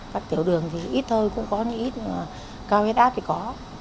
các tiểu đường thì ít thôi cũng có nhưng mà cao huyết áp thì có